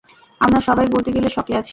আমরা সবাই বলতে গেলে শকে আছি!